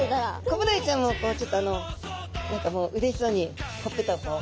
コブダイちゃんもこうちょっとあの何かもううれしそうにほっぺたをこう。